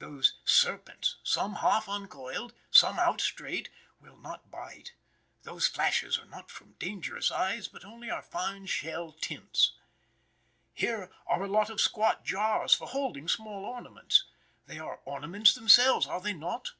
Those serpents, some half uncoiled, some out straight, will not bite. Those flashes are not from dangerous eyes, but are only fine shell tints. Here are a lot of squat jars for holding small ornaments. They are ornaments themselves. Are they not?